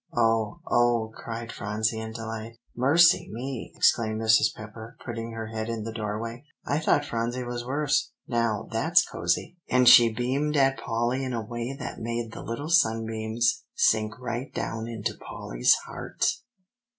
"Oh oh!" cried Phronsie in delight. "Mercy me!" exclaimed Mrs. Pepper, putting her head in the doorway, "I thought Phronsie was worse. Now, that's cosey;" and she beamed at Polly in a way that made the little sunbeams sink right down into Polly's heart.